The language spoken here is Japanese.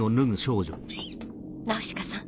ナウシカさん